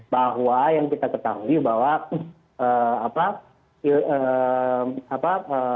bahwa yang kita ketahui bahwa apa apa